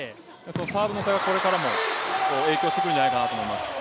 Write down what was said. サーブの差がこれからも影響してくるんじゃないかと思います。